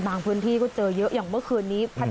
บางพื้นที่ก็เจอเยอะ